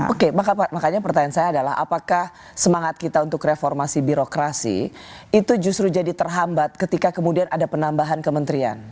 oke makanya pertanyaan saya adalah apakah semangat kita untuk reformasi birokrasi itu justru jadi terhambat ketika kemudian ada penambahan kementerian